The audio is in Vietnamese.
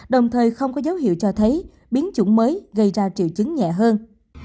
đồng thời không có dấu hiệu cho thấy biến chủng mới gây ra triệu chứng nhẹ hơn